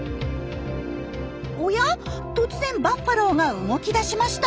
おや突然バッファローが動き出しました。